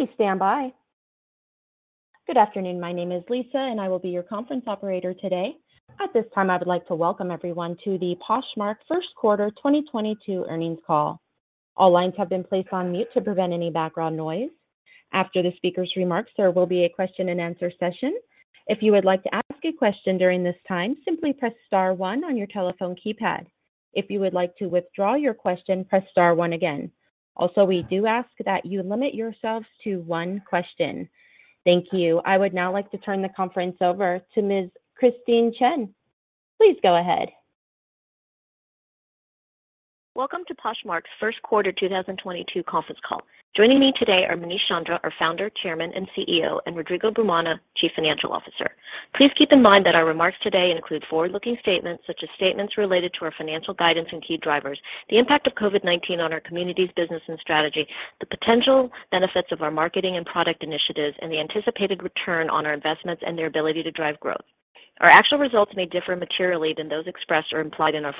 Please stand by. Good afternoon. My name is Lisa, and I will be your conference operator today. At this time, I would like to welcome everyone to the Poshmark first quarter 2022 earnings call. All lines have been placed on mute to prevent any background noise. After the speaker's remarks, there will be a question-and-answer session. If you would like to ask a question during this time, simply press star one on your telephone keypad. If you would like to withdraw your question, press star one again. Also, we do ask that you limit yourselves to one question. Thank you. I would now like to turn the conference over to Ms. Christine Chen. Please go ahead. Welcome to Poshmark's first quarter 2022 conference call. Joining me today are Manish Chandra, our Founder, Chairman, and CEO, and Rodrigo Brumana, Chief Financial Officer. Please keep in mind that our remarks today include forward-looking statements such as statements related to our financial guidance and key drivers, the impact of COVID-19 on our community's business and strategy, the potential benefits of our marketing and product initiatives, and the anticipated return on our investments and their ability to drive growth. Our actual results may differ materially than those expressed or implied in our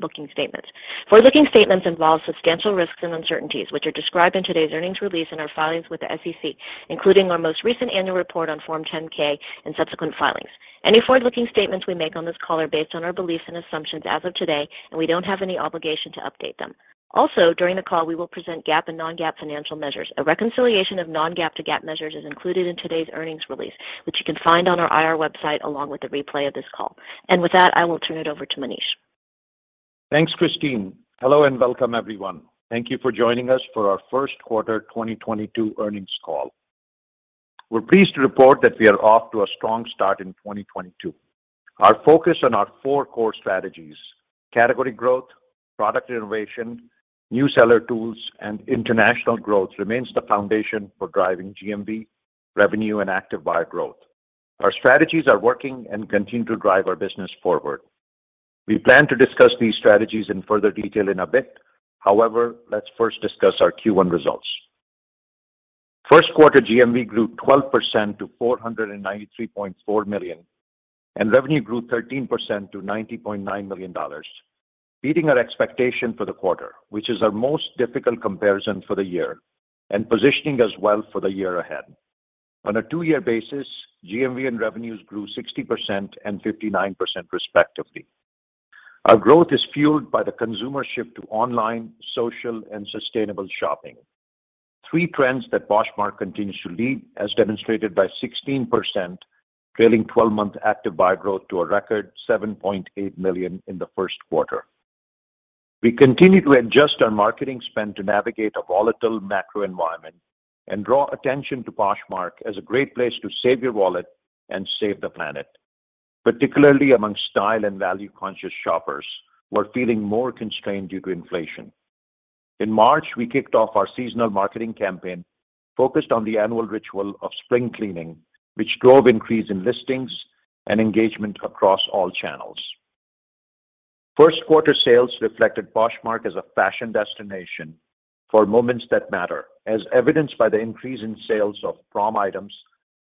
forward-looking statements. Forward-looking statements involve substantial risks and uncertainties, which are described in today's earnings release in our filings with the SEC, including our most recent annual report on Form 10-K and subsequent filings. Any forward-looking statements we make on this call are based on our beliefs and assumptions as of today, and we don't have any obligation to update them. Also, during the call, we will present GAAP and non-GAAP financial measures. A reconciliation of non-GAAP to GAAP measures is included in today's earnings release, which you can find on our IR website along with the replay of this call. With that, I will turn it over to Manish. Thanks, Christine. Hello, and welcome, everyone. Thank you for joining us for our first quarter 2022 earnings call. We're pleased to report that we are off to a strong start in 2022. Our focus on our four core strategies, category growth, product innovation, new seller tools, and international growth remains the foundation for driving GMV, revenue, and active buyer growth. Our strategies are working and continue to drive our business forward. We plan to discuss these strategies in further detail in a bit. However, let's first discuss our Q1 results. First quarter GMV grew 12% to $493.4 million, and revenue grew 13% to $90.9 million, beating our expectation for the quarter, which is our most difficult comparison for the year and positioning us well for the year ahead. On a two-year basis, GMV and revenues grew 60% and 59%, respectively. Our growth is fueled by the consumer shift to online, social, and sustainable shopping. Three trends that Poshmark continues to lead, as demonstrated by 16% trailing 12-month active buyer growth to a record $7.8 million in the first quarter. We continue to adjust our marketing spend to navigate a volatile macro environment and draw attention to Poshmark as a great place to save your wallet and save the planet, particularly among style and value-conscious shoppers who are feeling more constrained due to inflation. In March, we kicked off our seasonal marketing campaign focused on the annual ritual of spring cleaning, which drove increase in listings and engagement across all channels. First quarter sales reflected Poshmark as a fashion destination for moments that matter, as evidenced by the increase in sales of prom items,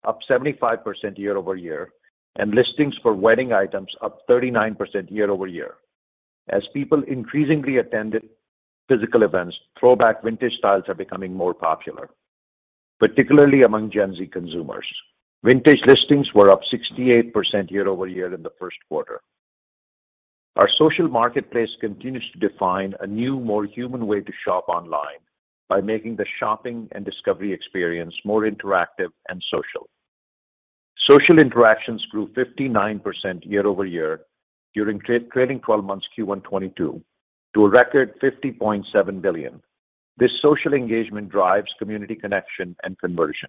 up 75% year-over-year, and listings for wedding items, up 39% year-over-year. As people increasingly attended physical events, throwback vintage styles are becoming more popular, particularly among Gen Z consumers. Vintage listings were up 68% year-over-year in the first quarter. Our social marketplace continues to define a new, more human way to shop online by making the shopping and discovery experience more interactive and social. Social interactions grew 59% year-over-year during trailing 12 months Q1 2022 to a record $50.7 billion. This social engagement drives community connection and conversion.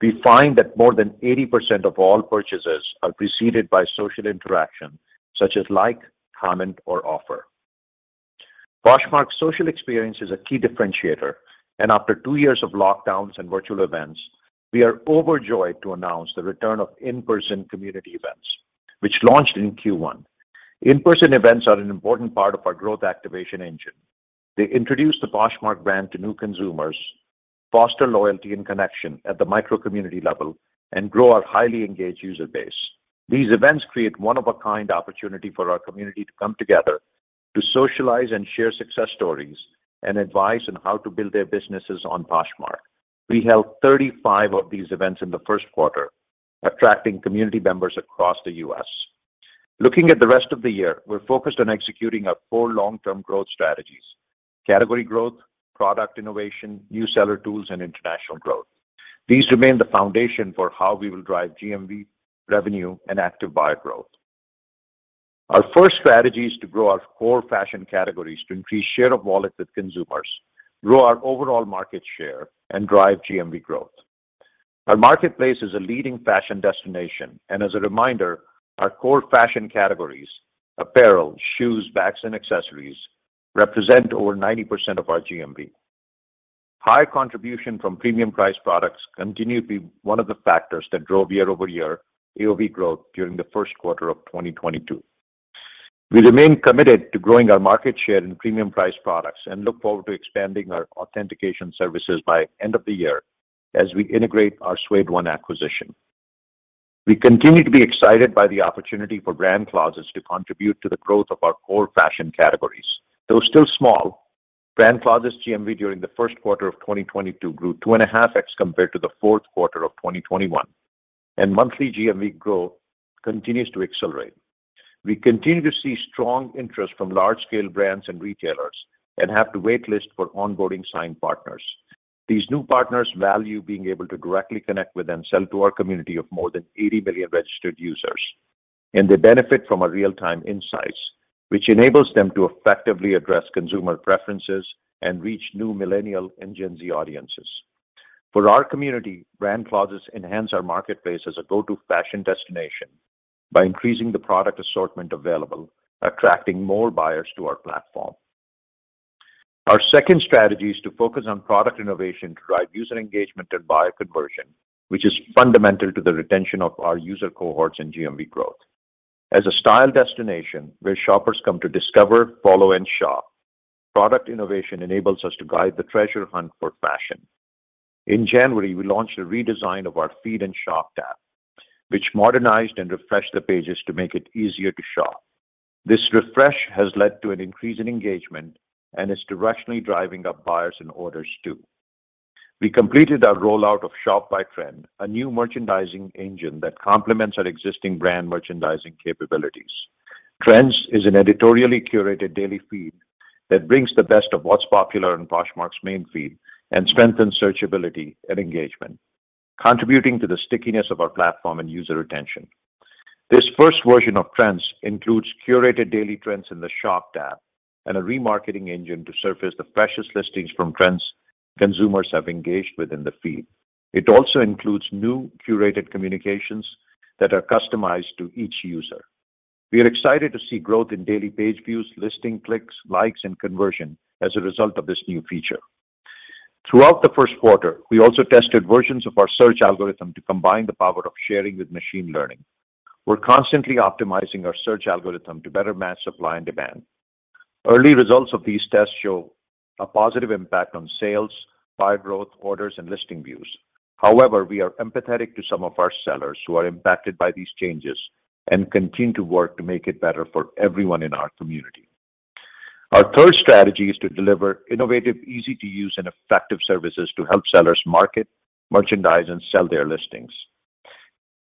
We find that more than 80% of all purchases are preceded by social interaction, such as like, comment, or offer. Poshmark's social experience is a key differentiator, and after two years of lockdowns and virtual events, we are overjoyed to announce the return of in-person community events, which launched in Q1. In-person events are an important part of our growth activation engine. They introduce the Poshmark brand to new consumers, foster loyalty and connection at the micro community level, and grow our highly engaged user base. These events create one-of-a-kind opportunity for our community to come together to socialize and share success stories and advice on how to build their businesses on Poshmark. We held 35 of these events in the first quarter, attracting community members across the U.S. Looking at the rest of the year, we're focused on executing our four long-term growth strategies, category growth, product innovation, new seller tools, and international growth. These remain the foundation for how we will drive GMV, revenue, and active buyer growth. Our first strategy is to grow our core fashion categories to increase share of wallet with consumers, grow our overall market share, and drive GMV growth. Our marketplace is a leading fashion destination, and as a reminder, our core fashion categories, apparel, shoes, bags, and accessories, represent over 90% of our GMV. High contribution from premium price products continue to be one of the factors that drove year-over-year AOV growth during the first quarter of 2022. We remain committed to growing our market share in premium price products and look forward to expanding our authentication services by end of the year as we integrate our Suede One acquisition. We continue to be excited by the opportunity for Brand Closet to contribute to the growth of our core fashion categories. Though still small, Brand Closet GMV during the first quarter of 2022 grew 2.5x compared to the fourth quarter of 2021, and monthly GMV growth continues to accelerate. We continue to see strong interest from large-scale brands and retailers and have a waitlist for onboarding signed partners. These new partners value being able to directly connect with and sell to our community of more than 80 million registered users. They benefit from our real-time insights, which enables them to effectively address consumer preferences and reach new millennial and Gen Z audiences. For our community, Brand Closet enhance our marketplace as a go-to fashion destination by increasing the product assortment available, attracting more buyers to our platform. Our second strategy is to focus on product innovation to drive user engagement and buyer conversion, which is fundamental to the retention of our user cohorts and GMV growth. As a style destination where shoppers come to discover, follow, and shop, product innovation enables us to guide the treasure hunt for fashion. In January, we launched a redesign of our feed and shop tab, which modernized and refreshed the pages to make it easier to shop. This refresh has led to an increase in engagement and is directionally driving up buyers and orders too. We completed our rollout of Shop by Trend, a new merchandising engine that complements our existing brand merchandising capabilities. Trends is an editorially curated daily feed that brings the best of what's popular in Poshmark's main feed and strengthens searchability and engagement, contributing to the stickiness of our platform and user retention. This first version of Trends includes curated daily trends in the shop tab and a remarketing engine to surface the freshest listings from trends consumers have engaged with in the feed. It also includes new curated communications that are customized to each user. We are excited to see growth in daily page views, listing clicks, likes, and conversion as a result of this new feature. Throughout the first quarter, we also tested versions of our search algorithm to combine the power of sharing with machine learning. We're constantly optimizing our search algorithm to better match supply and demand. Early results of these tests show a positive impact on sales, buyer growth, orders, and listing views. However, we are empathetic to some of our sellers who are impacted by these changes and continue to work to make it better for everyone in our community. Our third strategy is to deliver innovative, easy-to-use, and effective services to help sellers market, merchandise, and sell their listings.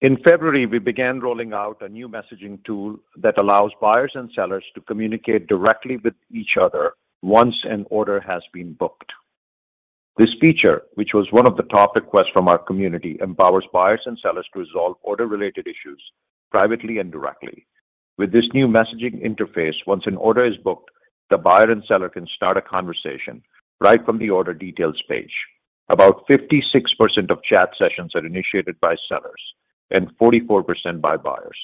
In February, we began rolling out a new messaging tool that allows buyers and sellers to communicate directly with each other once an order has been booked. This feature, which was one of the top requests from our community, empowers buyers and sellers to resolve order-related issues privately and directly. With this new messaging interface, once an order is booked, the buyer and seller can start a conversation right from the order details page. About 56% of chat sessions are initiated by sellers and 44% by buyers.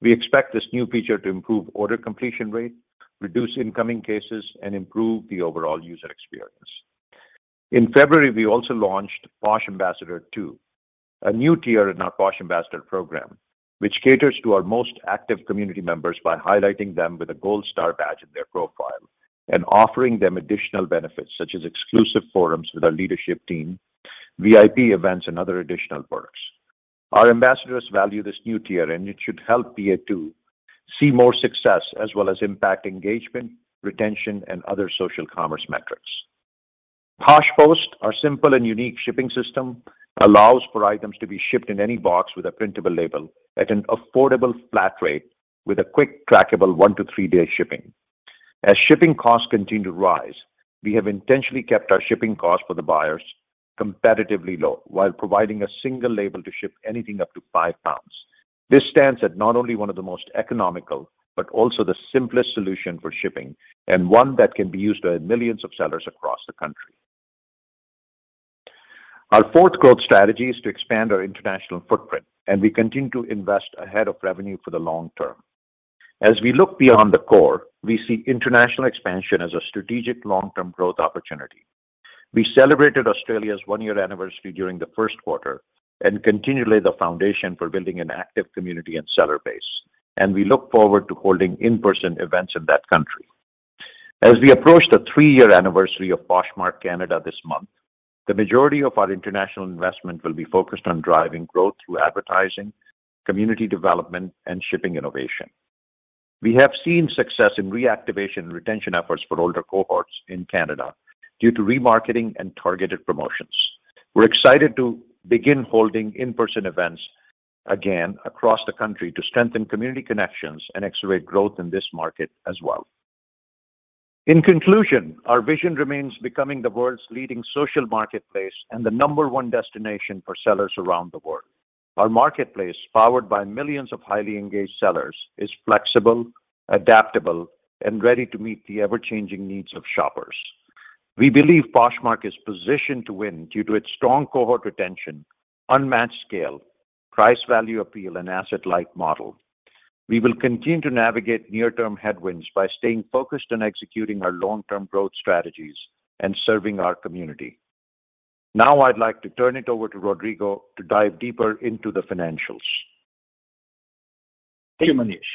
We expect this new feature to improve order completion rate, reduce incoming cases, and improve the overall user experience. In February, we also launched Posh Ambassador II, a new tier in our Posh Ambassador program, which caters to our most active community members by highlighting them with a gold star badge in their profile and offering them additional benefits such as exclusive forums with our leadership team, VIP events, and other additional perks. Our ambassadors value this new tier, and it should help PA II see more success as well as impact engagement, retention, and other social commerce metrics. PoshPost, our simple and unique shipping system, allows for items to be shipped in any box with a printable label at an affordable flat rate with a quick trackable one to three day shipping. As shipping costs continue to rise, we have intentionally kept our shipping costs for the buyers competitively low while providing a single label to ship anything up to 5 pounds. This stands at not only one of the most economical, but also the simplest solution for shipping and one that can be used by millions of sellers across the country. Our fourth growth strategy is to expand our international footprint, and we continue to invest ahead of revenue for the long term. As we look beyond the core, we see international expansion as a strategic long-term growth opportunity. We celebrated Australia's one-year anniversary during the first quarter and continually lay the foundation for building an active community and seller base. We look forward to holding in-person events in that country. As we approach the three-year anniversary of Poshmark Canada this month, the majority of our international investment will be focused on driving growth through advertising, community development, and shipping innovation. We have seen success in reactivation and retention efforts for older cohorts in Canada due to remarketing and targeted promotions. We're excited to begin holding in-person events again across the country to strengthen community connections and accelerate growth in this market as well. In conclusion, our vision remains becoming the world's leading social marketplace and the number one destination for sellers around the world. Our marketplace, powered by millions of highly engaged sellers, is flexible, adaptable, and ready to meet the ever-changing needs of shoppers. We believe Poshmark is positioned to win due to its strong cohort retention, unmatched scale, price-value appeal, and asset-light model. We will continue to navigate near-term headwinds by staying focused on executing our long-term growth strategies and serving our community. Now, I'd like to turn it over to Rodrigo to dive deeper into the financials. Thank you, Manish.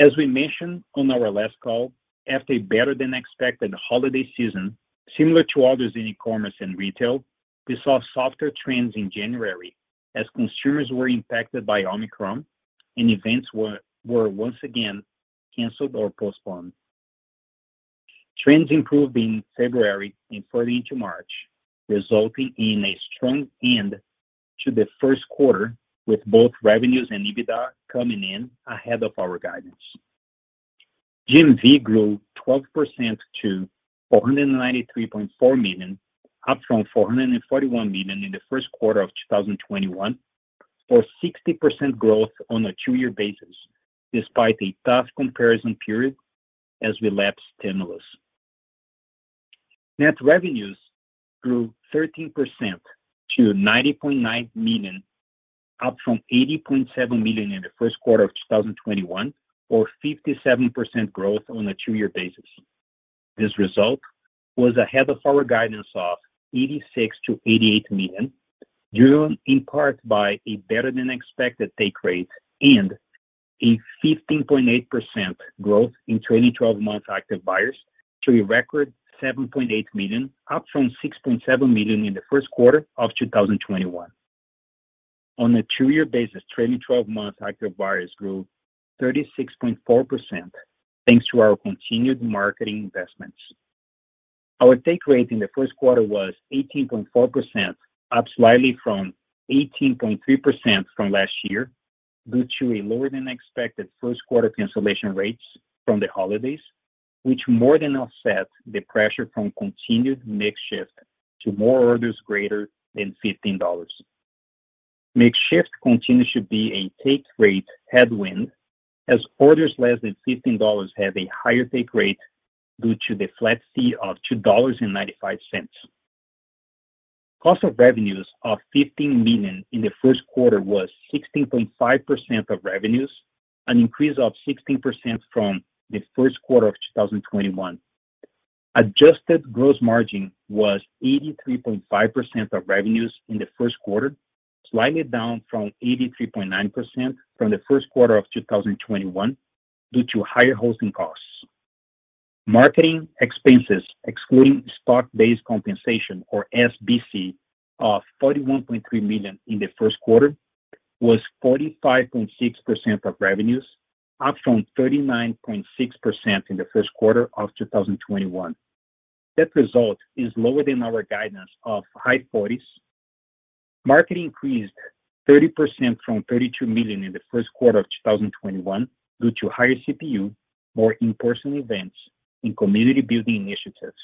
As we mentioned on our last call, after a better than expected holiday season, similar to others in e-commerce and retail, we saw softer trends in January as consumers were impacted by Omicron and events were once again canceled or postponed. Trends improved in February and further into March, resulting in a strong end to the first quarter, with both revenues and EBITDA coming in ahead of our guidance. GMV grew 12% to $493.4 million, up from $441 million in the first quarter of 2021, or 60% growth on a two-year basis despite a tough comparison period as we lapsed stimulus. Net revenues grew 13% to $90.9 million, up from $80.7 million in the first quarter of 2021, or 57% growth on a two-year basis. This result was ahead of our guidance of $86 million-$88 million, driven in part by a better than expected take rate and a 15.8% growth in trailing 12 months active buyers to a record $7.8 million, up from $6.7 million in the first quarter of 2021. On a two-year basis, trailing twelve months active buyers grew 36.4%, thanks to our continued marketing investments. Our take rate in the first quarter was 18.4%, up slightly from 18.3% from last year due to a lower than expected first quarter cancellation rates from the holidays, which more than offset the pressure from continued mix shift to more orders greater than $15. Mix shift continues to be a take rate headwind as orders less than $15 have a higher take rate due to the flat fee of $2.95. Cost of revenues of $15 million in the first quarter was 16.5% of revenues, an increase of 16% from the first quarter of 2021. Adjusted gross margin was 83.5% of revenues in the first quarter, slightly down from 83.9% from the first quarter of 2021 due to higher hosting costs. Marketing expenses excluding stock-based compensation, or SBC, of $41.3 million in the first quarter was 45.6% of revenues, up from 39.6% in the first quarter of 2021. That result is lower than our guidance of high 40s. Marketing increased 30% from $32 million in the first quarter of 2021 due to higher CPU, more in-person events and community building initiatives.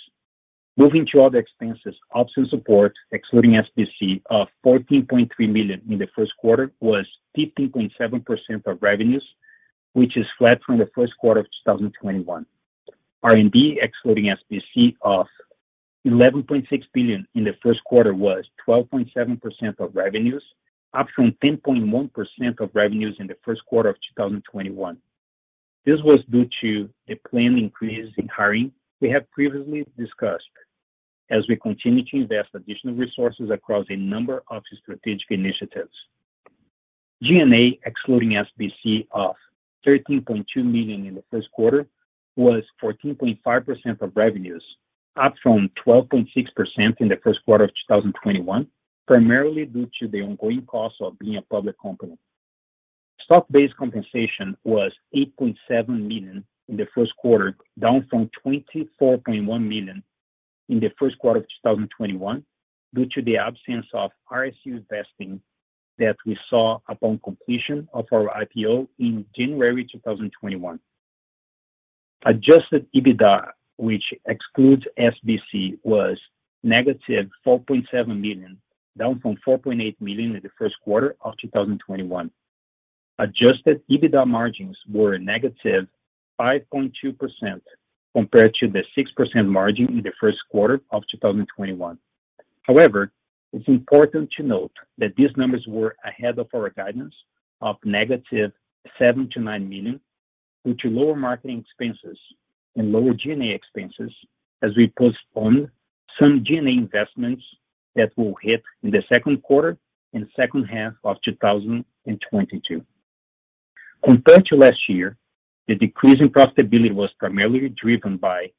Moving to other expenses, ops and support excluding SBC of $14.3 million in the first quarter was 15.7% of revenues, which is flat from the first quarter of 2021. R&D excluding SBC of $11.6 million in the first quarter was 12.7% of revenues, up from 10.1% of revenues in the first quarter of 2021. This was due to a planned increase in hiring we have previously discussed as we continue to invest additional resources across a number of strategic initiatives. G&A excluding SBC of $13.2 million in the first quarter was 14.5% of revenues, up from 12.6% in the first quarter of 2021, primarily due to the ongoing costs of being a public company. Stock-based compensation was $8.7 million in the first quarter, down from $24.1 million in the first quarter of 2021 due to the absence of RSU vesting that we saw upon completion of our IPO in January 2021. Adjusted EBITDA, which excludes SBC, was $-4.7 million, down from $4.8 million in the first quarter of 2021. Adjusted EBITDA margins were -5.2% compared to the 6% margin in the first quarter of 2021. However, it's important to note that these numbers were ahead of our guidance of $-7 million to $9 million due to lower marketing expenses and lower G&A expenses as we postponed some G&A investments that will hit in the second quarter and second half of 2022. Compared to last year, the decrease in profitability was primarily driven by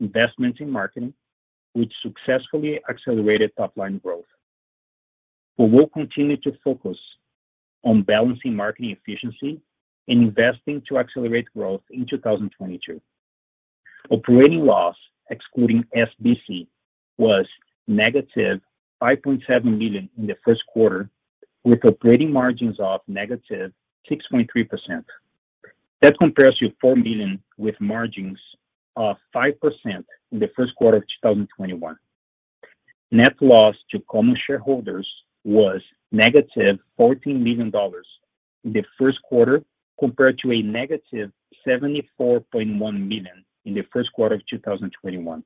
investments in marketing, which successfully accelerated top-line growth. We will continue to focus on balancing marketing efficiency and investing to accelerate growth in 2022. Operating loss excluding SBC was $-5.7 million in the first quarter, with operating margins of -6.3%. That compares to $4 million with margins of 5% in the first quarter of 2021. Net loss to common shareholders was $-14 million in the first quarter compared to $-74.1 million in the first quarter of 2021.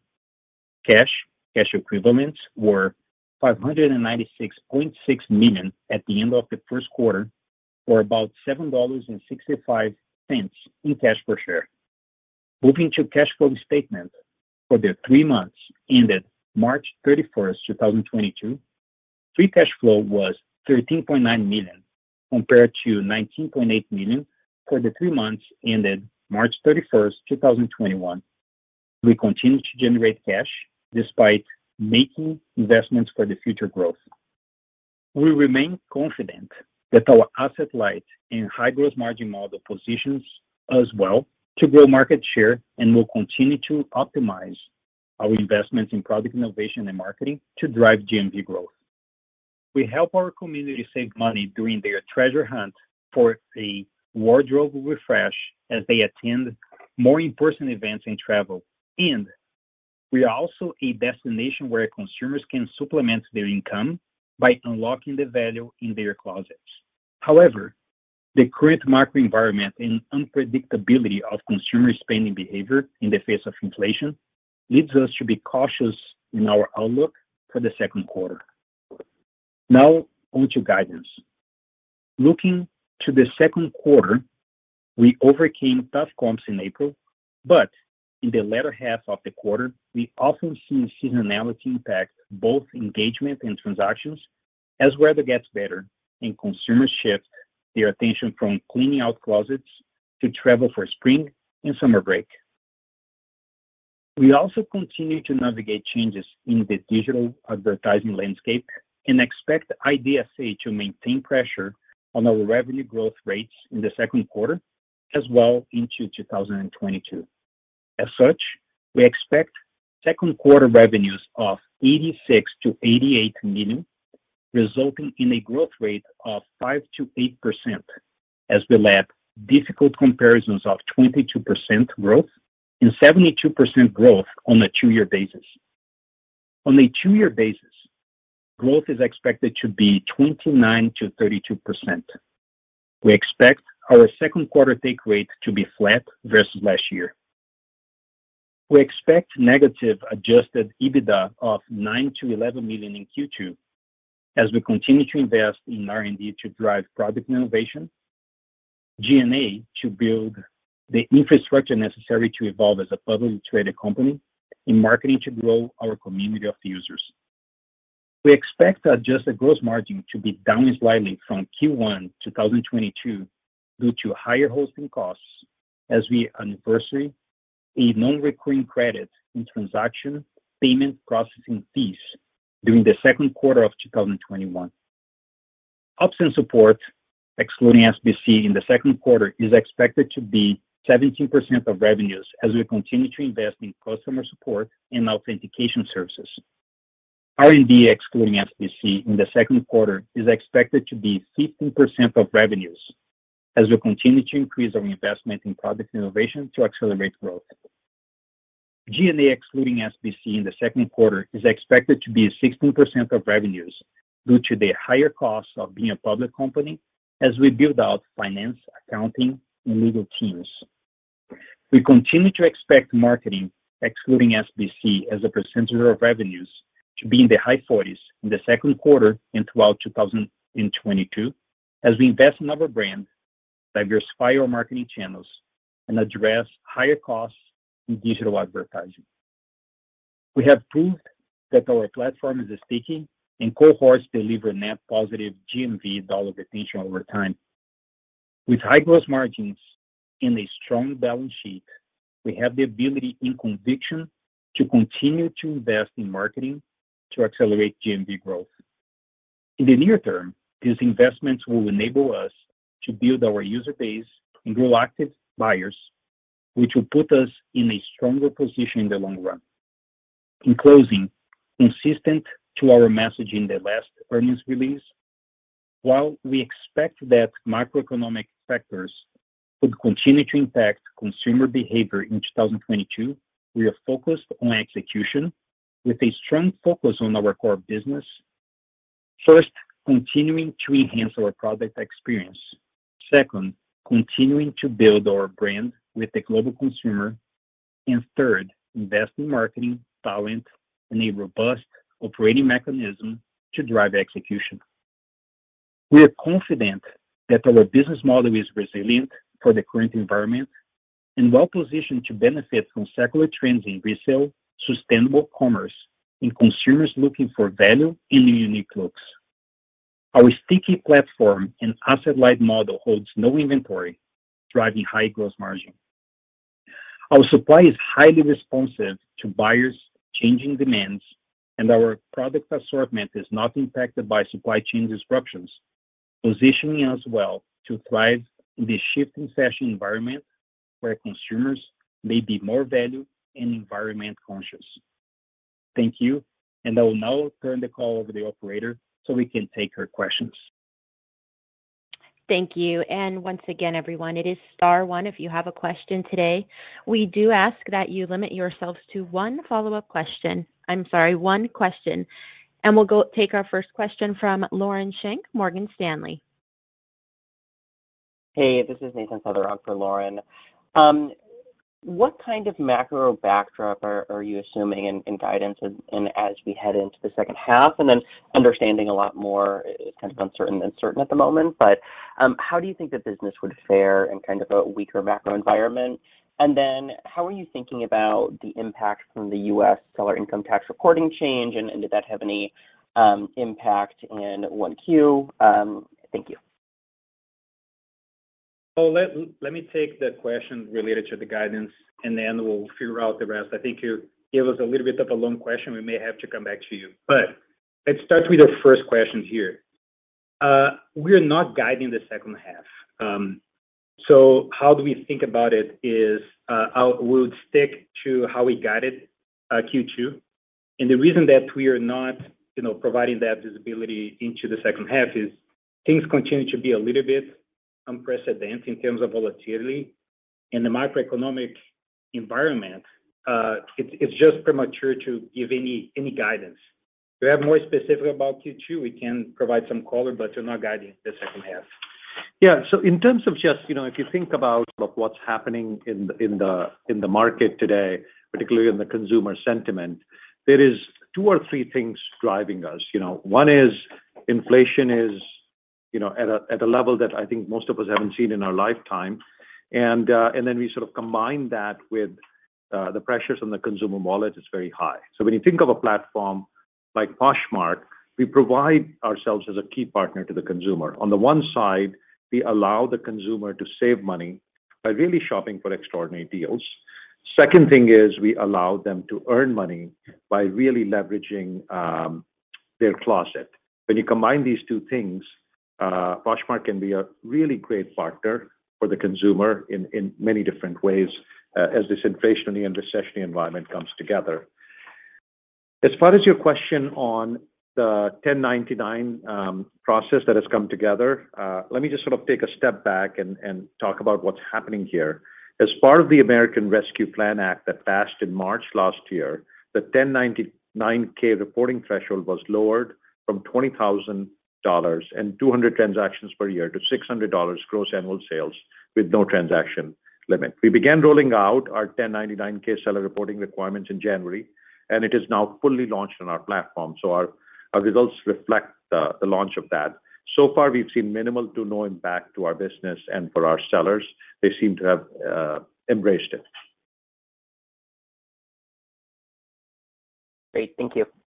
Cash, cash equivalents were $596.6 million at the end of the first quarter, or about $7.65 in cash per share. Moving to cash flow statement. For the three months ended March 31st, 2022, free cash flow was $13.9 million compared to $19.8 million for the three months ended March 31st, 2021. We continue to generate cash despite making investments for the future growth. We remain confident that our asset light and high gross margin model positions us well to grow market share, and we'll continue to optimize our investments in product innovation and marketing to drive GMV growth. We help our community save money during their treasure hunt for a wardrobe refresh as they attend more in-person events and travel. We are also a destination where consumers can supplement their income by unlocking the value in their closets. However, the current market environment and unpredictability of consumer spending behavior in the face of inflation leads us to be cautious in our outlook for the second quarter. Now on to guidance. Looking to the second quarter, we overcame tough comps in April, but in the latter half of the quarter, we often see seasonality impact both engagement and transactions as weather gets better and consumers shift their attention from cleaning out closets to travel for spring and summer break. We also continue to navigate changes in the digital advertising landscape and expect IDFA to maintain pressure on our revenue growth rates in the second quarter as well into 2022. As such, we expect second quarter revenues of $86 million-$88 million, resulting in a growth rate of 5%-8% as we lap difficult comparisons of 22% growth and 72% growth on a two-year basis. On a two-year basis, growth is expected to be 29%-32%. We expect our second quarter take rate to be flat versus last year. We expect negative adjusted EBITDA of $9 million-$11 million in Q2 as we continue to invest in R&D to drive product innovation, G&A to build the infrastructure necessary to evolve as a publicly traded company, in marketing to grow our community of users. We expect adjusted gross margin to be down slightly from Q1 2022 due to higher hosting costs as we anniversary a non-recurring credit in transaction payment processing fees during the second quarter of 2021. Ops and support, excluding SBC in the second quarter, is expected to be 17% of revenues as we continue to invest in customer support and authentication services. R&D, excluding SBC in the second quarter, is expected to be 15% of revenues as we continue to increase our investment in product innovation to accelerate growth. G&A, excluding SBC in the second quarter, is expected to be 16% of revenues due to the higher cost of being a public company as we build out finance, accounting, and legal teams. We continue to expect marketing, excluding SBC as a percentage of revenues, to be in the high 40s in the second quarter and throughout 2022 as we invest in our brand, diversify our marketing channels, and address higher costs in digital advertising. We have proved that our platform is sticky and cohorts deliver net positive GMV dollar retention over time. With high gross margins and a strong balance sheet, we have the ability and conviction to continue to invest in marketing to accelerate GMV growth. In the near term, these investments will enable us to build our user base and grow active buyers, which will put us in a stronger position in the long run. In closing, consistent to our message in the last earnings release, while we expect that macroeconomic factors could continue to impact consumer behavior in 2022, we are focused on execution with a strong focus on our core business. First, continuing to enhance our product experience. Second, continuing to build our brand with the global consumer. Third, invest in marketing talent and a robust operating mechanism to drive execution. We are confident that our business model is resilient for the current environment and well-positioned to benefit from secular trends in resale, sustainable commerce, and consumers looking for value in unique looks. Our sticky platform and asset-light model holds no inventory, driving high gross margin. Our supply is highly responsive to buyers' changing demands, and our product assortment is not impacted by supply chain disruptions, positioning us well to thrive in the shifting fashion environment where consumers may be more value and environment-conscious. Thank you, and I will now turn the call over to the operator, so we can take our questions. Thank you. Once again, everyone, it is star one if you have a question today. We do ask that you limit yourselves to one follow-up question. I'm sorry, one question. We'll go take our first question from Lauren Schenk, Morgan Stanley. Hey, this is Nathan Feather for Lauren Schenk. What kind of macro backdrop are you assuming in guidance and as we head into the second half? Then understanding a lot more is kind of uncertain than certain at the moment, but how do you think the business would fare in kind of a weaker macro environment? Then how are you thinking about the impact from the U.S. seller income tax reporting change, and did that have any impact in 1Q? Thank you. Let me take the question related to the guidance, and then we'll figure out the rest. I think you gave us a little bit of a long question. We may have to come back to you. Let's start with the first question here. We're not guiding the second half. How do we think about it is, we'll stick to how we guided Q2. The reason that we are not, you know, providing that visibility into the second half is things continue to be a little bit unprecedented in terms of volatility. In the macroeconomic environment, it's just premature to give any guidance. We're more specific about Q2. We can provide some color, but we're not guiding the second half. Yeah. In terms of just, you know, if you think about what's happening in the market today, particularly in the consumer sentiment, there is two or three things driving us. You know, one is inflation is, you know, at a level that I think most of us haven't seen in our lifetime. And then we sort of combine that with the pressures on the consumer wallet is very high. When you think of a platform like Poshmark, we provide ourselves as a key partner to the consumer. On the one side, we allow the consumer to save money by really shopping for extraordinary deals. Second thing is we allow them to earn money by really leveraging their closet. When you combine these two things, Poshmark can be a really great partner for the consumer in many different ways, as this inflationary and recessionary environment comes together. As far as your question on the 1099-K process that has come together, let me just sort of take a step back and talk about what's happening here. As part of the American Rescue Plan Act that passed in March last year, the 1099-K reporting threshold was lowered from $20,000 and 200 transactions per year to $600 gross annual sales with no transaction limit. We began rolling out our 1099-K seller reporting requirements in January, and it is now fully launched on our platform. Our results reflect the launch of that. So far, we've seen minimal to no impact to our business and for our sellers. They seem to have embraced it. Great. Thank you. Thanks.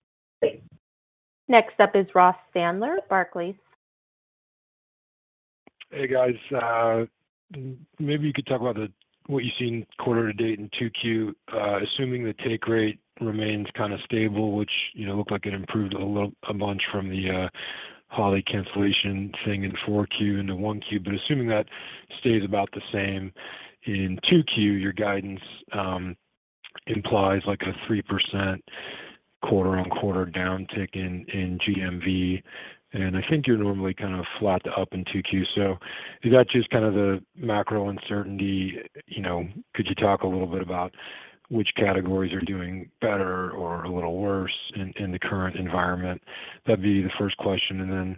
Next up is Ross Sandler, Barclays. Hey, guys. Maybe you could talk about what you've seen quarter to date in 2Q. Assuming the take rate remains kind of stable, which, you know, looked like it improved a bunch from the holiday cancellation thing in 4Q into 1Q. Assuming that stays about the same in 2Q, your guidance implies like a 3% quarter-over-quarter downtick in GMV, and I think you're normally kind of flat to up in 2Q. Is that just kind of the macro uncertainty, you know? Could you talk a little bit about which categories are doing better or a little worse in the current environment? That'd be the first question.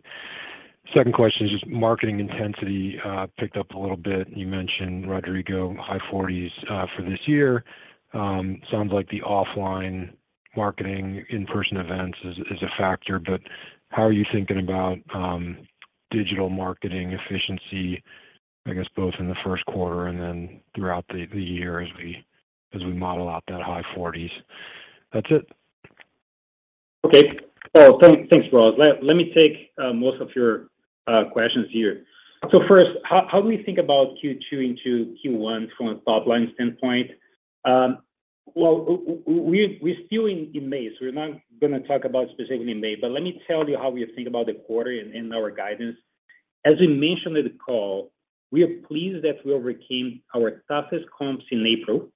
Second question is just marketing intensity picked up a little bit. You mentioned, Rodrigo, high 40s for this year. Sounds like the offline marketing in-person events is a factor. How are you thinking about digital marketing efficiency, I guess, both in the first quarter and then throughout the year as we model out that high 40s%? That's it. Okay. Well, thanks, Ross. Let me take most of your questions here. First, how do we think about Q2 into Q1 from a top-line standpoint? Well, we're still in May, so we're not gonna talk about specifically May. Let me tell you how we think about the quarter and our guidance. As we mentioned in the call, we are pleased that we overcame our toughest comps in April.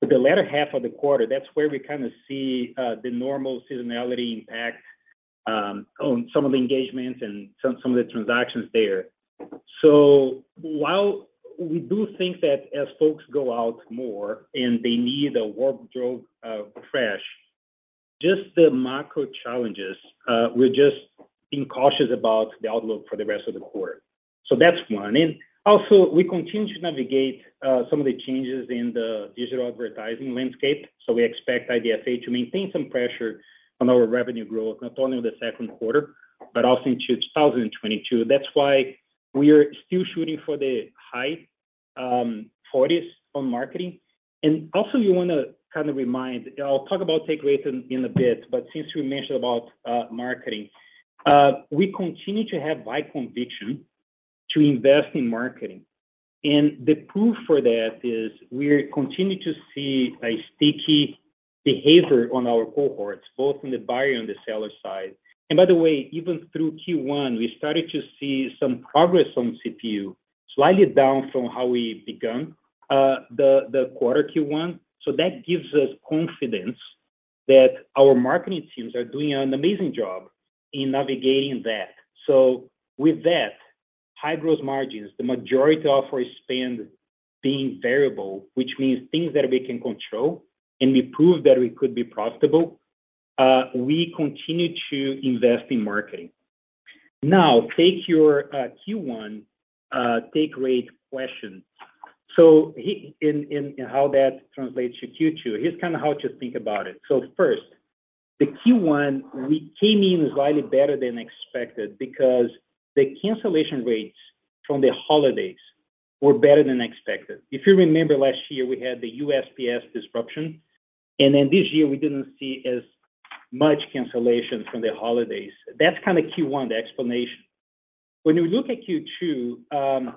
The latter half of the quarter, that's where we kinda see the normal seasonality impact on some of the engagements and some of the transactions there. While we do think that as folks go out more and they need a wardrobe fresh, just the macro challenges, we're just being cautious about the outlook for the rest of the quarter. That's one. We continue to navigate some of the changes in the digital advertising landscape. We expect IDFA to maintain some pressure on our revenue growth, not only in the second quarter, but also into 2022. That's why we are still shooting for the high forties on marketing. I'll talk about take rates in a bit. Since we mentioned about marketing, we continue to have buy conviction to invest in marketing. The proof for that is we continue to see a sticky behavior on our cohorts, both on the buyer and the seller side. By the way, even through Q1, we started to see some progress on CPU, slightly down from how we began the quarter Q1. That gives us confidence that our marketing teams are doing an amazing job in navigating that. With that, high growth margins, the majority of our spend being variable, which means things that we can control, and we prove that we could be profitable, we continue to invest in marketing. Now, take your Q1 take rate question. In how that translates to Q2, here's kind of how to think about it. First, the Q1, we came in slightly better than expected because the cancellation rates from the holidays were better than expected. If you remember last year, we had the USPS disruption, and then this year we didn't see as much cancellation from the holidays. That's kind of Q1, the explanation. When you look at Q2,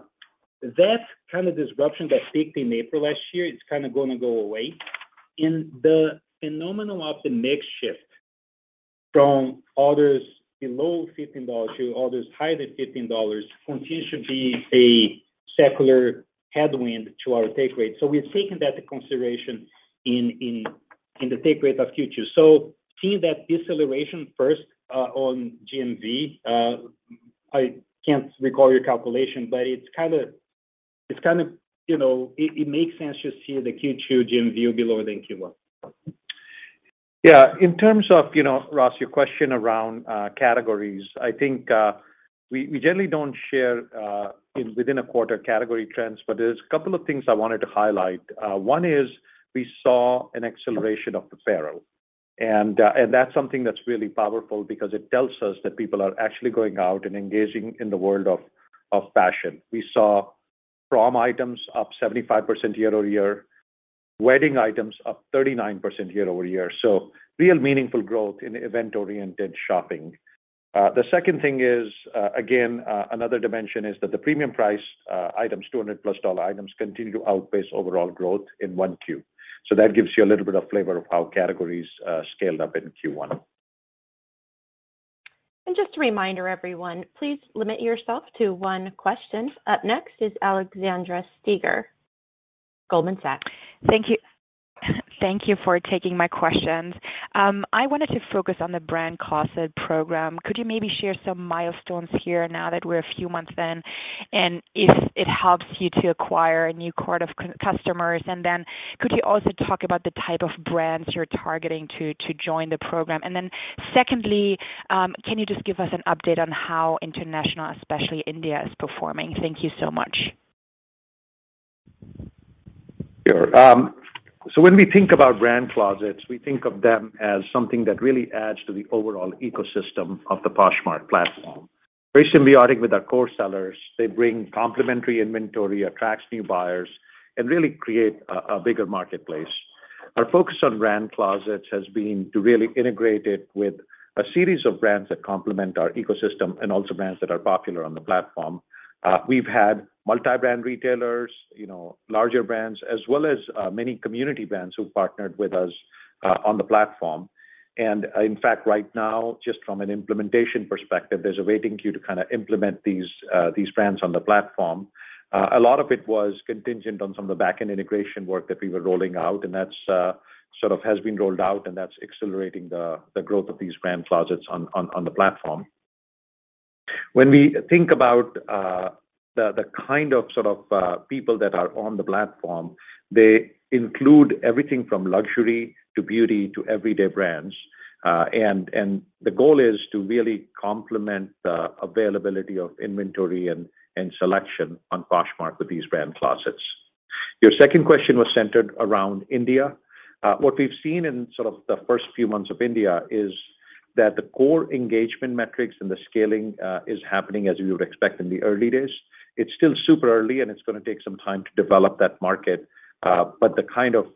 that kind of disruption that peaked in April last year, it's kind of gonna go away. The phenomenon of the mix shift from orders below $15 to orders higher than $15 continues to be a secular headwind to our take rate. We've taken that into consideration in the take rate of Q2. Seeing that deceleration first on GMV, I can't recall your calculation, but it's kinda, you know, it makes sense to see the Q2 GMV be lower than Q1. Yeah. In terms of, you know, Ross, your question around categories. I think we generally don't share within a quarter category trends, but there's a couple of things I wanted to highlight. One is we saw an acceleration of apparel, and and that's something that's really powerful because it tells us that people are actually going out and engaging in the world of fashion. We saw prom items up 75% year-over-year, wedding items up 39% year-over-year. So real meaningful growth in event-oriented shopping. The second thing is, again, another dimension is that the premium price items, $200+ items, continue to outpace overall growth in 1Q. So that gives you a little bit of flavor of how categories scaled up in Q1. Just a reminder, everyone, please limit yourself to one question. Up next is Alexandra Steiger, Goldman Sachs. Thank you. Thank you for taking my questions. I wanted to focus on the Brand Closet program. Could you maybe share some milestones here now that we're a few months in, and if it helps you to acquire a new cohort of customers? Could you also talk about the type of brands you're targeting to join the program? Secondly, can you just give us an update on how international, especially India, is performing? Thank you so much. Sure. When we think about Brand Closets, we think of them as something that really adds to the overall ecosystem of the Poshmark platform. Very symbiotic with our core sellers. They bring complementary inventory, attracts new buyers, and really create a bigger marketplace. Our focus on Brand Closets has been to really integrate it with a series of brands that complement our ecosystem and also brands that are popular on the platform. We've had multi-brand retailers, you know, larger brands, as well as many community brands who partnered with us on the platform. In fact, right now, just from an implementation perspective, there's a waiting queue to kind of implement these brands on the platform. A lot of it was contingent on some of the back-end integration work that we were rolling out, and that's sort of has been rolled out, and that's accelerating the growth of these Brand Closets on the platform. When we think about the kind of, sort of, brands that are on the platform, they include everything from luxury to beauty to everyday brands. The goal is to really complement the availability of inventory and selection on Poshmark with these Brand Closets. Your second question was centered around India. What we've seen in sort of the first few months in India is that the core engagement metrics and the scaling is happening as we would expect in the early days. It's still super early, and it's gonna take some time to develop that market. The kind of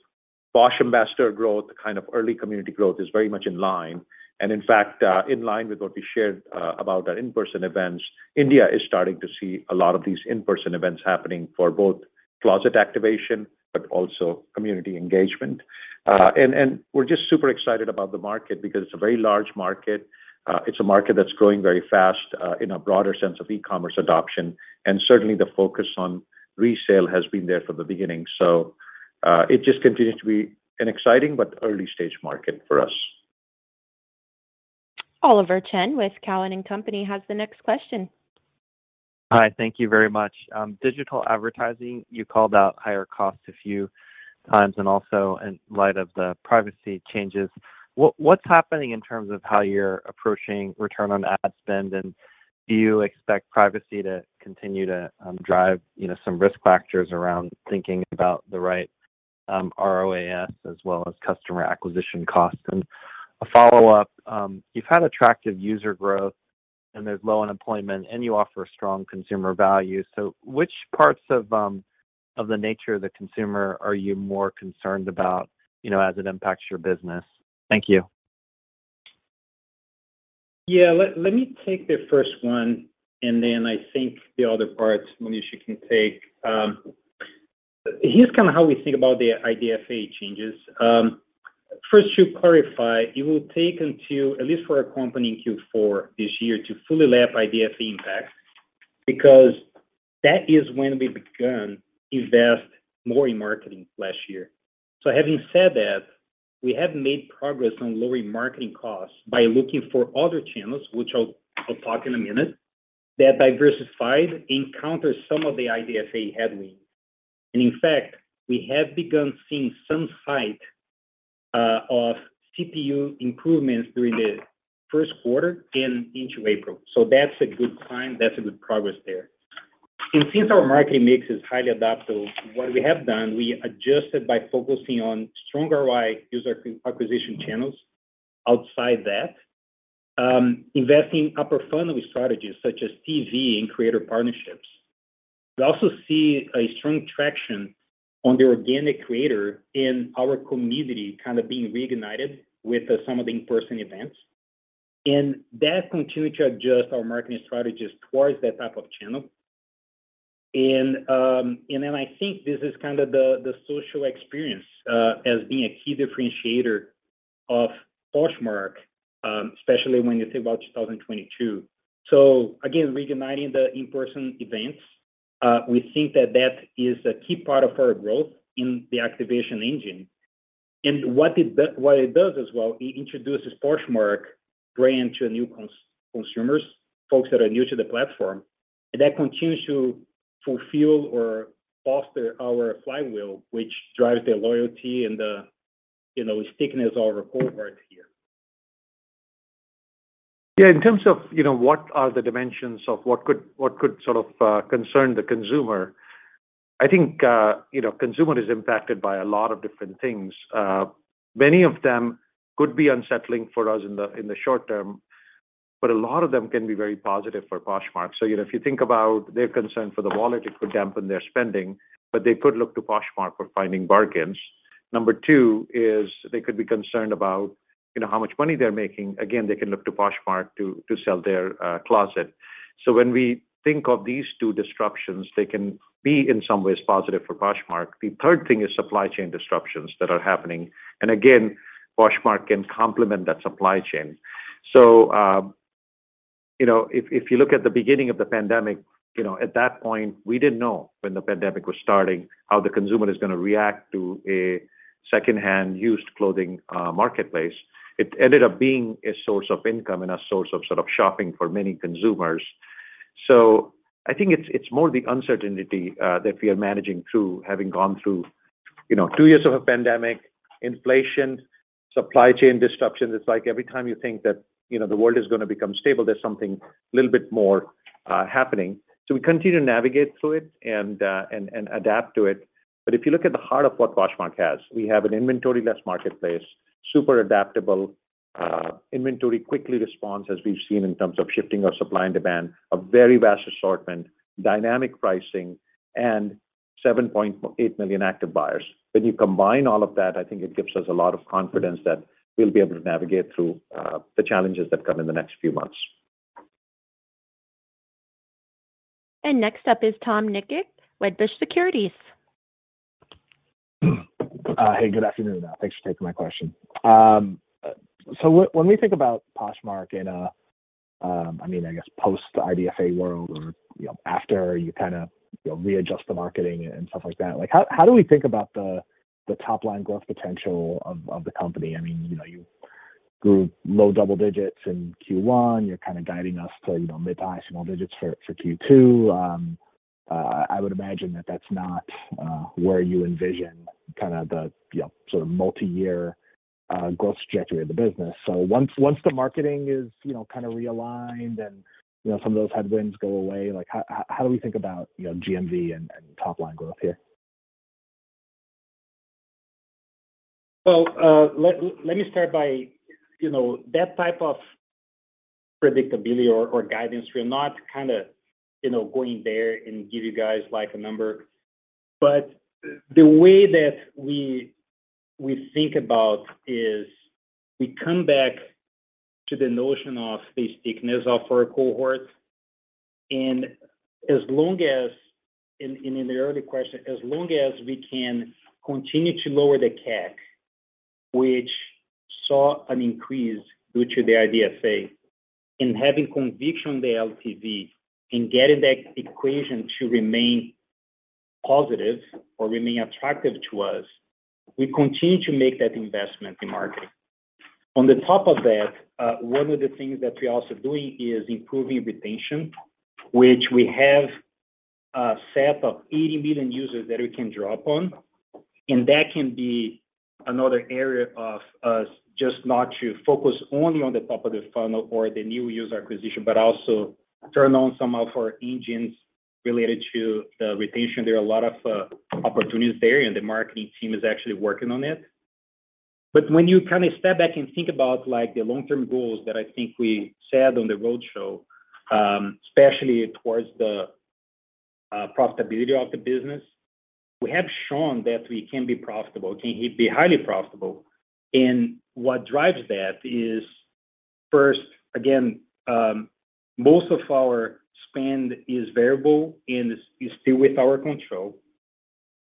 Posh Ambassador growth, the kind of early community growth is very much in line. In fact, in line with what we shared, about our in-person events, India is starting to see a lot of these in-person events happening for both closet activation but also community engagement. We're just super excited about the market because it's a very large market. It's a market that's growing very fast, in a broader sense of e-commerce adoption. Certainly, the focus on resale has been there from the beginning. It just continues to be an exciting but early-stage market for us. Oliver Chen with Cowen and Company has the next question. Hi, thank you very much. Digital advertising, you called out higher costs a few times, and also in light of the privacy changes, what's happening in terms of how you're approaching return on ad spend? Do you expect privacy to continue to drive, you know, some risk factors around thinking about the right ROAS as well as customer acquisition costs? A follow-up, you've had attractive user growth, and there's low unemployment, and you offer strong consumer value. Which parts of the nature of the consumer are you more concerned about, you know, as it impacts your business? Thank you. Let me take the first one, and then I think the other parts Manish can take. Here's kind of how we think about the IDFA changes. First to clarify, it will take until, at least for our company, in Q4 this year to fully lap IDFA impact because that is when we began invest more in marketing last year. So having said that, we have made progress on lowering marketing costs by looking for other channels, which I'll talk in a minute, that diversified and counter some of the IDFA headwind. In fact, we have begun seeing some signs of CPU improvements during the first quarter and into April. So that's a good sign. That's a good progress there. Since our market mix is highly adaptable, what we have done, we adjusted by focusing on stronger ROI user acquisition channels outside that, investing upper funnel strategies such as TV and creator partnerships. We also see a strong traction on the organic creator in our community kind of being reignited with some of the in-person events. That continues to adjust our marketing strategies towards that type of channel. I think this is kind of the social experience as being a key differentiator of Poshmark, especially when you think about 2022. Reigniting the in-person events, we think that that is a key part of our growth in the activation engine. What it does as well, it introduces Poshmark brand to new consumers, folks that are new to the platform. that continues to fulfill or foster our flywheel, which drives the loyalty and the, you know, stickiness of our cohort here. Yeah. In terms of, you know, what are the dimensions of what could sort of concern the consumer, I think, you know, consumer is impacted by a lot of different things. Many of them could be unsettling for us in the short term, but a lot of them can be very positive for Poshmark. You know, if you think about their concern for the wallet, it could dampen their spending, but they could look to Poshmark for finding bargains. Number two is they could be concerned about, you know, how much money they're making. Again, they can look to Poshmark to sell their closet. When we think of these two disruptions, they can be in some ways positive for Poshmark. The third thing is supply chain disruptions that are happening. Again, Poshmark can complement that supply chain. You know, if you look at the beginning of the pandemic, you know, at that point, we didn't know when the pandemic was starting, how the consumer is gonna react to a second hand used clothing marketplace. It ended up being a source of income and a source of sort of shopping for many consumers. I think it's more the uncertainty that we are managing through, having gone through, you know, two years of a pandemic, inflation, supply chain disruptions. It's like every time you think that, you know, the world is gonna become stable, there's something a little bit more happening. We continue to navigate through it and adapt to it. If you look at the heart of what Poshmark has, we have an inventory less marketplace, super adaptable, inventory quickly responds, as we've seen in terms of shifting our supply and demand, a very vast assortment, dynamic pricing, and 7.8 million active buyers. When you combine all of that, I think it gives us a lot of confidence that we'll be able to navigate through the challenges that come in the next few months. Next up is Tom Nikic, Wedbush Securities. Hey, good afternoon. Thanks for taking my question. When we think about Poshmark in a, I mean, I guess post-IDFA world or, you know, after you kind of, you know, readjust the marketing and stuff like that. Like how do we think about the top line growth potential of the company? I mean, you know, you grew low double digits in Q1. You're kind of guiding us to, you know, mid to high single digits for Q2. I would imagine that that's not where you envision kind of the, you know, sort of multi-year growth trajectory of the business. Once the marketing is, you know, kind of realigned and, you know, some of those headwinds go away, like how do we think about, you know, GMV and top line growth here? Well, let me start by, you know, that type of predictability or guidance, we're not kinda, you know, going there and give you guys like a number. The way that we think about is we come back to the notion of the stickiness of our cohorts. In the earlier question, as long as we can continue to lower the CAC, which saw an increase due to the IDFA, and having conviction in the LTV and getting that equation to remain positive or remain attractive to us, we continue to make that investment in marketing. On top of that, one of the things that we're also doing is improving retention, which we have a set of 80 million users that we can draw upon. That can be another area for us just not to focus only on the top of the funnel or the new user acquisition, but also turn on some of our engines related to the retention. There are a lot of opportunities there, and the marketing team is actually working on it. When you kind of step back and think about like the long-term goals that I think we said on the roadshow, especially towards the profitability of the business, we have shown that we can be profitable, can be highly profitable. What drives that is, first, again, most of our spend is variable and is still with our control.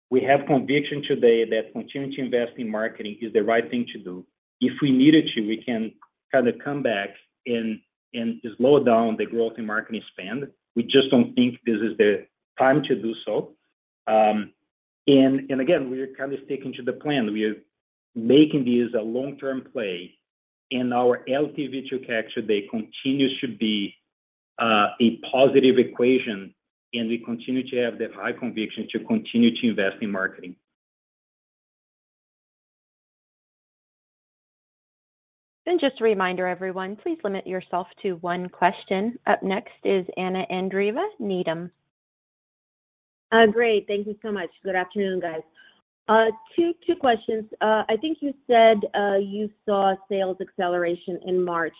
We have conviction today that continuing to invest in marketing is the right thing to do. If we needed to, we can kind of come back and slow down the growth in marketing spend. We just don't think this is the time to do so. Again, we're kind of sticking to the plan. We are making this a long-term play, and our LTV to CAC today continues to be a positive equation, and we continue to have that high conviction to continue to invest in marketing. Just a reminder, everyone, please limit yourself to one question. Up next is Anna Andreeva, Needham. Great. Thank you so much. Good afternoon, guys. Two questions. I think you said you saw sales acceleration in March.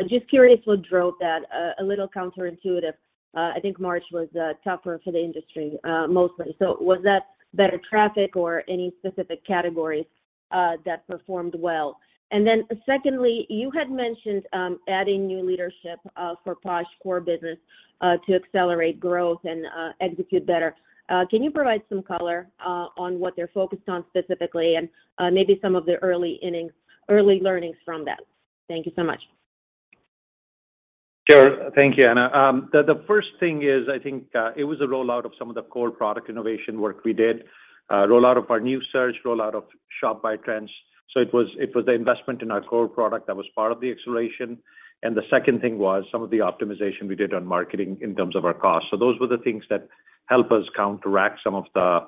I'm just curious what drove that. A little counterintuitive. I think March was tougher for the industry, mostly. Was that better traffic or any specific categories that performed well? Secondly, you had mentioned adding new leadership for Posh core business to accelerate growth and execute better. Can you provide some color on what they're focused on specifically, and maybe some of the early learnings from that? Thank you so much. Sure. Thank you, Anna. The first thing is, I think, it was a rollout of some of the core product innovation work we did. Rollout of our new search, rollout of Shop by Trend. It was the investment in our core product that was part of the acceleration. The second thing was some of the optimization we did on marketing in terms of our cost. Those were the things that help us counteract some of the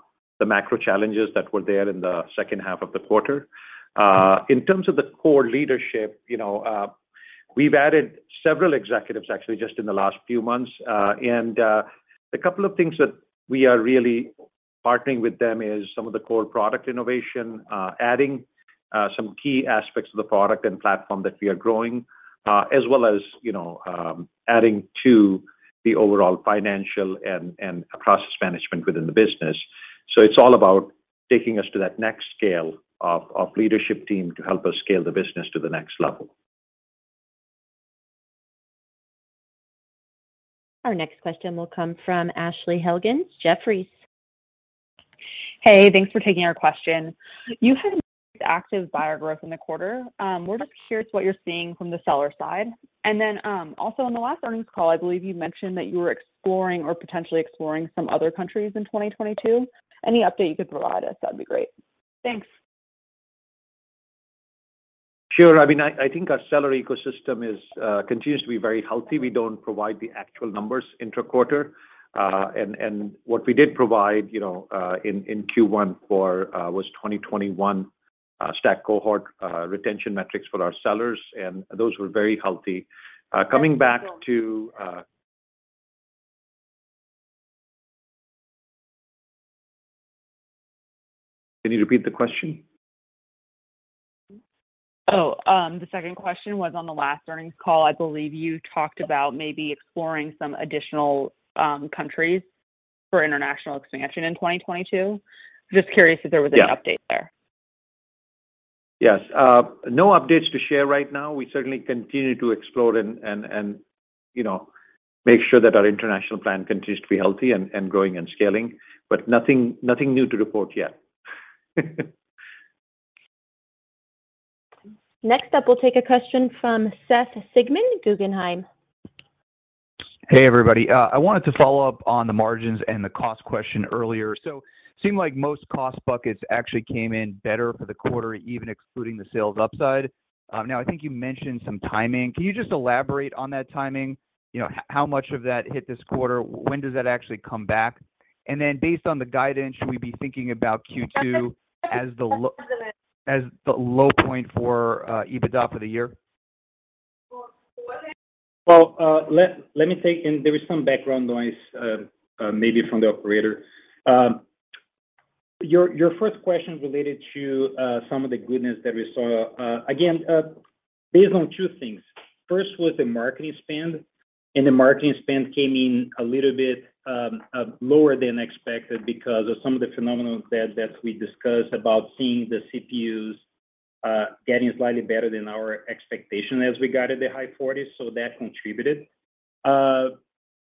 macro challenges that were there in the second half of the quarter. In terms of the core leadership, we've added several executives actually just in the last few months. The couple of things that we are really partnering with them is some of the core product innovation, adding, some key aspects of the product and platform that we are growing, as well as, you know, adding to the overall financial and process management within the business. It's all about taking us to that next scale of leadership team to help us scale the business to the next level. Our next question will come from Ashley Helgans, Jefferies. Hey, thanks for taking our question. You had active buyer growth in the quarter. We're just curious what you're seeing from the seller side. Also in the last earnings call, I believe you mentioned that you were exploring or potentially exploring some other countries in 2022. Any update you could provide us, that'd be great. Thanks. Sure. I mean, I think our seller ecosystem is continues to be very healthy. We don't provide the actual numbers inter-quarter. What we did provide, you know, in Q1 for was 2021 stack cohort retention metrics for our sellers, and those were very healthy. Can you repeat the question? The second question was on the last earnings call. I believe you talked about maybe exploring some additional countries for international expansion in 2022. Just curious if there was any update there. Yes. No updates to share right now. We certainly continue to explore and, you know, make sure that our international plan continues to be healthy and growing and scaling, but nothing new to report yet. Next up, we'll take a question from Seth Sigman, Guggenheim. Hey, everybody. I wanted to follow up on the margins and the cost question earlier. Seemed like most cost buckets actually came in better for the quarter, even excluding the sales upside. Now I think you mentioned some timing. Can you just elaborate on that timing? You know, how much of that hit this quarter? When does that actually come back? And then based on the guidance, should we be thinking about Q2 as the low point for EBITDA for the year? Well, let me take. There is some background noise, maybe from the operator. Your first question related to some of the goodness that we saw, again, based on two things. First was the marketing spend, and the marketing spend came in a little bit lower than expected because of some of the phenomenon that we discussed about seeing the CPUs getting slightly better than our expectation as we got at the high forties. That contributed.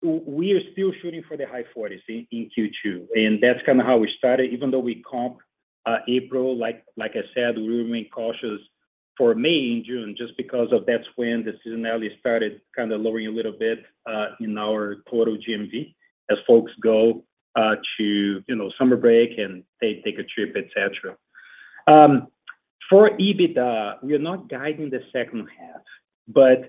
We are still shooting for the high forties in Q2, and that's kinda how we started. Even though we comp April, like I said, we remain cautious for May and June just because that's when the seasonality started kinda lowering a little bit in our total GMV as folks go to, you know, summer break and they take a trip, et cetera. For EBITDA, we are not guiding the second half.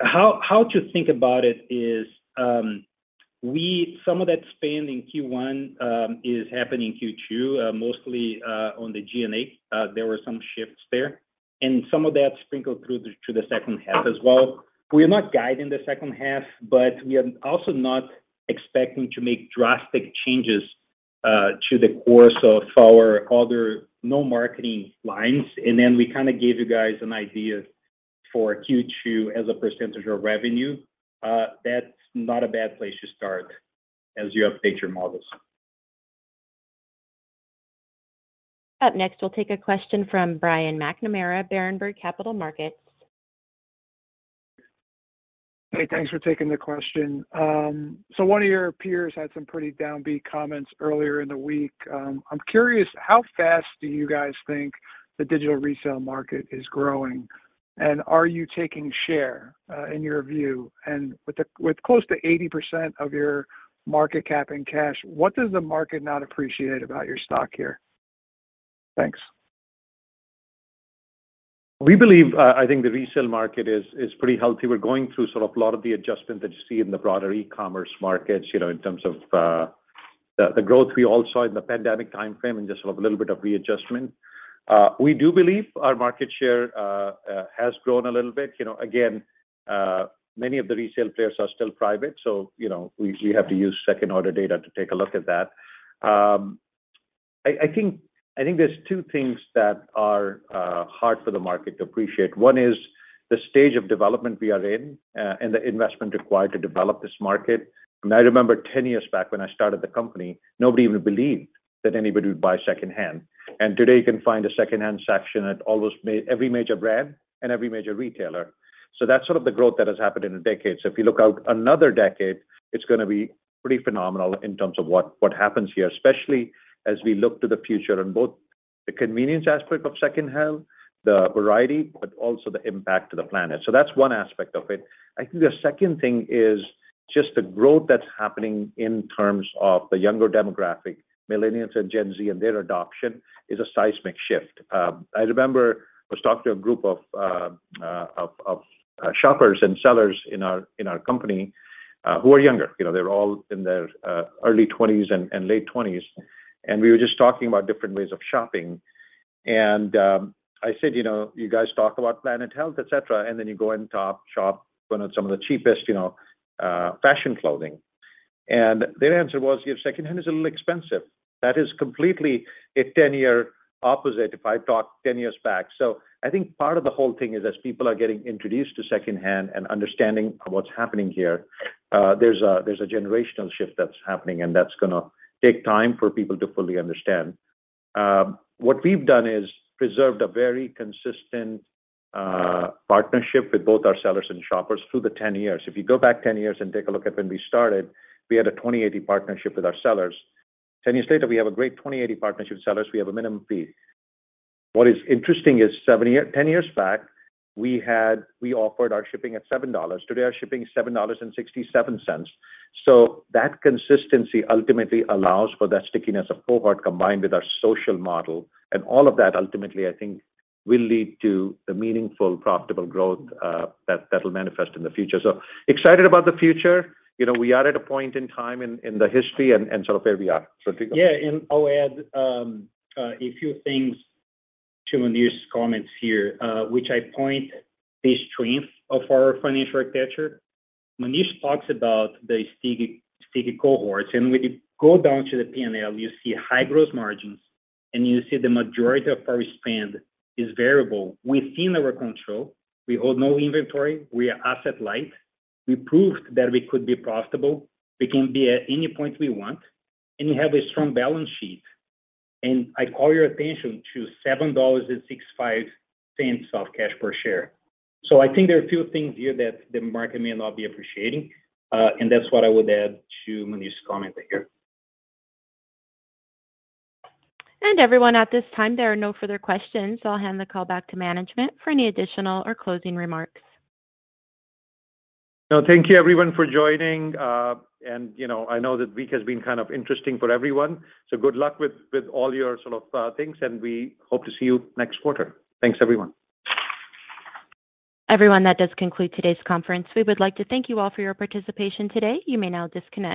How to think about it is, some of that spend in Q1 is happening in Q2, mostly on the G&A. There were some shifts there. Some of that sprinkled through to the second half as well. We're not guiding the second half, but we are also not expecting to make drastic changes to the course of our other non-marketing lines. Then we kinda gave you guys an idea for Q2 as a percentage of revenue. That's not a bad place to start as you update your models. Up next, we'll take a question from Brian McNamara, Berenberg Capital Markets. Hey, thanks for taking the question. One of your peers had some pretty downbeat comments earlier in the week. I'm curious how fast do you guys think the digital resale market is growing? Are you taking share, in your view? With close to 80% of your market cap in cash, what does the market not appreciate about your stock here? Thanks. We believe, I think the resale market is pretty healthy. We're going through sort of a lot of the adjustment that you see in the broader e-commerce markets, you know, in terms of, the growth we all saw in the pandemic timeframe and just sort of a little bit of readjustment. We do believe our market share has grown a little bit. You know, again, many of the resale players are still private, so, you know, we have to use second order data to take a look at that. I think there's two things that are hard for the market to appreciate. One is the stage of development we are in, and the investment required to develop this market. I remember 10 years back when I started the company, nobody would believe that anybody would buy second-hand. Today you can find a second-hand section at almost every major brand and every major retailer. That's sort of the growth that has happened in a decade. If you look out another decade, it's gonna be pretty phenomenal in terms of what happens here, especially as we look to the future and both the convenience aspect of second-hand, the variety, but also the impact to the planet. That's one aspect of it. I think the second thing is just the growth that's happening in terms of the younger demographic, millennials and Gen Z, and their adoption is a seismic shift. I remember I was talking to a group of shoppers and sellers in our company who are younger. You know, they're all in their early 20s and late 20s. We were just talking about different ways of shopping and I said, "You know, you guys talk about planetary health, et cetera, and then you go and shop on some of the cheapest, you know, fashion clothing." Their answer was, "Yeah, secondhand is a little expensive." That is completely a 10-year opposite if I talked ten years back. I think part of the whole thing is as people are getting introduced to secondhand and understanding what's happening here, there's a generational shift that's happening, and that's gonna take time for people to fully understand. What we've done is preserved a very consistent partnership with both our sellers and shoppers through the 10 years. If you go back 10 years and take a look at when we started, we had a 20-80 partnership with our sellers. 10 years later, we have a great 20-80 partnership with sellers. We have a minimum fee. What is interesting is 10 years back, we had we offered our shipping at $7. Today, our shipping is $7.67. That consistency ultimately allows for that stickiness of cohort combined with our social model. All of that ultimately, I think, will lead to a meaningful, profitable growth, that will manifest in the future. Excited about the future. You know, we are at a point in time in the history and sort of where we are. Rodrigo Brumana. Yeah. I'll add a few things to Manish's comments here, which I point to the strength of our financial architecture. Manish talks about the sticky cohorts, and when you go down to the P&L, you see high gross margins, and you see the majority of our spend is variable within our control. We hold no inventory, we are asset light. We proved that we could be profitable, we can be at any point we want, and we have a strong balance sheet. I call your attention to $7.65 of cash per share. I think there are a few things here that the market may not be appreciating, and that's what I would add to Manish's comment here. Everyone, at this time, there are no further questions, so I'll hand the call back to management for any additional or closing remarks. No. Thank you everyone for joining. You know, I know the week has been kind of interesting for everyone, so good luck with all your sort of things, and we hope to see you next quarter. Thanks, everyone. Everyone, that does conclude today's conference. We would like to thank you all for your participation today. You may now disconnect.